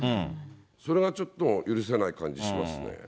それがちょっと許せない感じしま